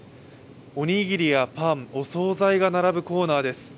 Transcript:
おにぎりやパン、お総菜が並ぶコーナーです。